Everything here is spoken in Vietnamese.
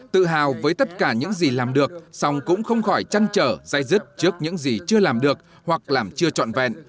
tự hào với tất cả những gì làm được song cũng không khỏi chăn trở dây dứt trước những gì chưa làm được hoặc làm chưa trọn vẹn